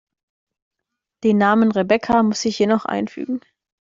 Den Namen Rebecca muss ich hier noch einfügen.